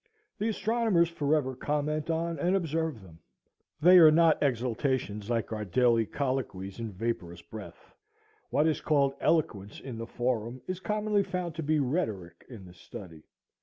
The astronomers forever comment on and observe them. They are not exhalations like our daily colloquies and vaporous breath. What is called eloquence in the forum is commonly found to be rhetoric in the study.